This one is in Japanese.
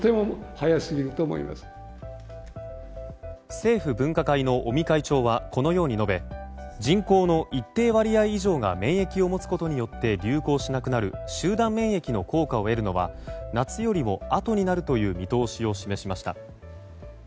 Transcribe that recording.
政府分科会の尾身会長はこのように述べ人口の一定割合以上が免疫を持つことによって流行しなくなる集団免疫の効果を得るのは夏よりも後になるという見通しを示しました。